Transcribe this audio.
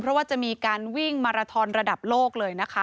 เพราะว่าจะมีการวิ่งมาราทอนระดับโลกเลยนะคะ